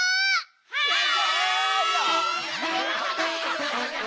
はい！